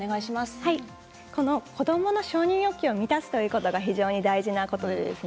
この子どもの承認欲求を満たすということが非常に大事なことです。